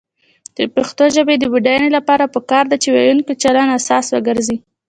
د پښتو ژبې د بډاینې لپاره پکار ده چې ویونکو چلند اساس وګرځي.